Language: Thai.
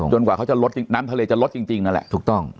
จนกว่าน้ำทะเลจะลดจริงนั่นแหละถูกต้อง